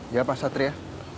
ya pak satria